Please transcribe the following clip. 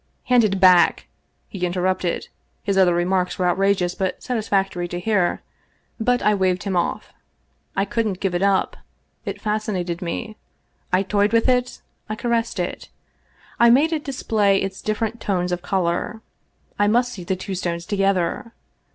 " Hand it back !" he interrupted (his other remarks were outrageous, but satisfactory to hear) ; but I waved him off. I couldn't give it up. It fascinated me. I toyed with it, I caressed it. I made it display its different tones of color. I must see the two stones together.